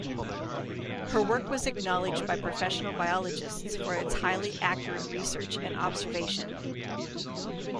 Her work was acknowledged by professional biologists for its highly accurate research and observation.